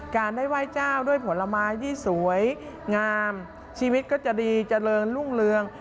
ได้ไหว้เจ้าด้วยผลไม้ที่สวยงามชีวิตก็จะดีเจริญรุ่งเรือง